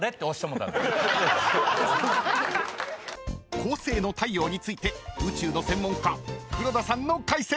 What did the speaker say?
［恒星の太陽について宇宙の専門家黒田さんの解説！］